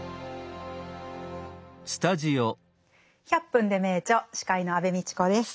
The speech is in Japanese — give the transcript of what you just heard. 「１００分ｄｅ名著」司会の安部みちこです。